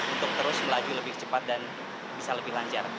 untuk terus melaju lebih cepat dan bisa lebih lancar